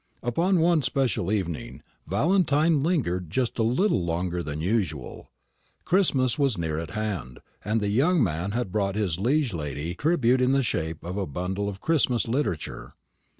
Upon one special evening Valentine lingered just a little longer than usual. Christmas was near at hand, and the young man had brought his liege lady tribute in the shape of a bundle of Christmas literature.